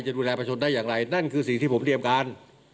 ดูแลประชนได้อย่างไรนั่นคือสิ่งที่ผมเตรียมการ